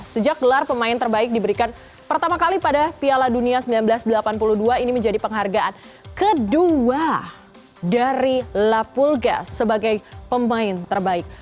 sejak gelar pemain terbaik diberikan pertama kali pada piala dunia seribu sembilan ratus delapan puluh dua ini menjadi penghargaan kedua dari lapulga sebagai pemain terbaik